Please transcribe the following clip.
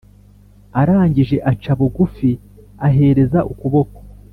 arangije aca bugufi ahereza ukuboko